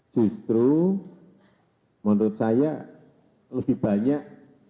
justru menurut saya lebih banyak